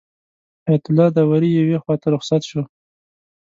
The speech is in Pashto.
حیات الله داوري یوې خواته رخصت شو.